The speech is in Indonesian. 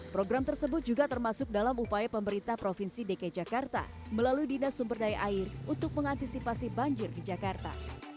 program tersebut juga termasuk dalam upaya pemerintah provinsi dki jakarta melalui dinas sumber daya air untuk mengantisipasi banjir di jakarta